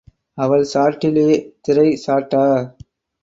அவள் சாட்டிலே திரை சாட்டா?